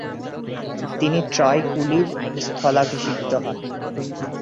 তিনি ট্রয় কুলি’র স্থলাভিষিক্ত হন।